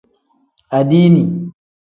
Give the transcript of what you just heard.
Adiini.